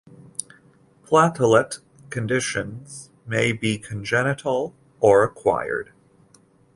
Platelet conditions may be congenital or acquired.